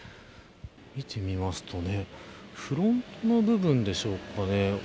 見てみますとフロントの部分でしょうかね。